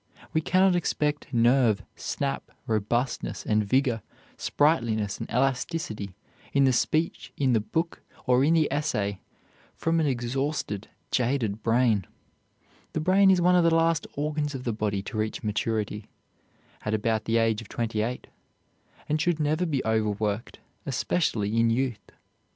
We cannot expect nerve, snap, robustness and vigor, sprightliness and elasticity, in the speech, in the book, or in the essay, from an exhausted, jaded brain. The brain is one of the last organs of the body to reach maturity (at about the age of twenty eight), and should never be overworked, especially in youth.